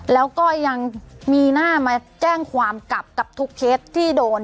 แล้วก็ยังมีหน้ามาแจ้งความกลับกับทุกเคสที่โดน